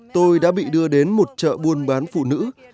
tôi đã bị đưa đến một chợ buôn bán phụ nữ